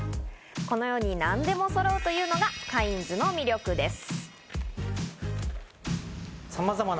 このように何でも揃うというのがカインズの魅力です。